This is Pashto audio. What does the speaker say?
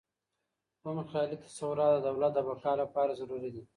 کوم خیالي تصورات د دولت د بقاء لپاره ضروري دي؟